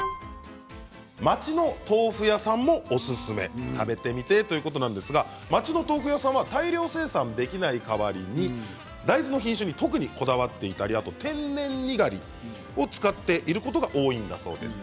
町の豆腐屋さんもおすすめ食べてみてということなんですが町の豆腐屋さんは大量生産できない代わりに大豆の品種に特にこだわっていたり天然にがりを使っていることが多いんだそうです。